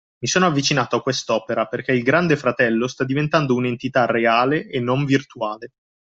Mi sono avvicinato a quest'opera perché il Grande Fratello sta diventando un'entità reale e non virtuale.